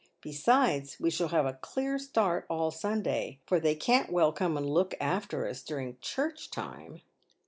Besides, we shall have a clear start all Sunday, for they can't well come.and look after us during church time."